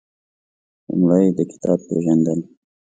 لومړی د کتاب پېژندل